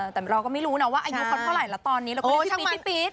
แต่เราก็ไม่รู้นะว่าอายุเขาเท่าไหร่แล้วตอนนี้เราก็ยังช่างปี๊ด